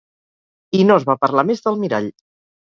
...i no es va parlar més del mirall.